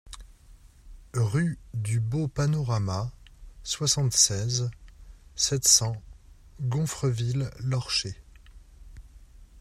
Rue du Beau Panorama, soixante-seize, sept cents Gonfreville-l'Orcher